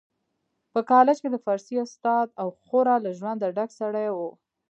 په کالج کي د فارسي استاد او خورا له ژونده ډک سړی و